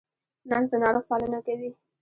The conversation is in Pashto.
نرس د ناروغ پالنه کوي